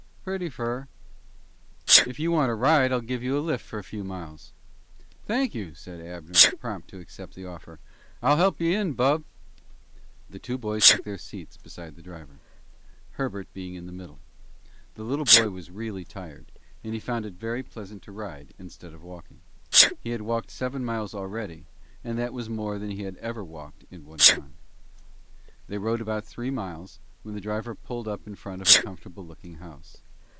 "Pretty fur." "Ef you want to ride, I'll give you a lift for a few miles." "Thank you," said Abner, prompt to accept the offer. "I'll help you in, bub." The two boys took their seats beside the driver, Herbert being in the middle. The little boy was really tired, and he found it very pleasant to ride, instead of walking. He had walked seven miles already, and that was more than he had ever before walked at one time. They rode about three miles, when the driver pulled up in front of a comfortable looking house.